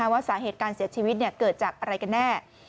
ว่าสาเหตุการเสียชีวิตเกิดจากอะไรกันแน่